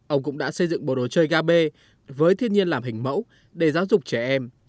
ông cũng đã xây dựng bộ đồ chơi kb với thiên nhiên làm hình mẫu để giáo dục trẻ em